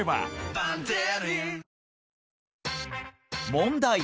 問題！